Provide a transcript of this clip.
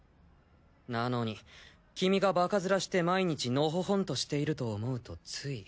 なのに君がバカ面して毎日ノホホンとしていると思うとつい。